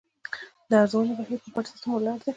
د ارزونې بهیر په پټ سیستم ولاړ دی.